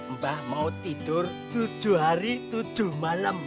mbah mau tidur tujuh hari tujuh malam